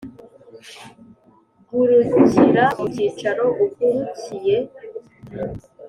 gurukira mu cyicaro ugukuriye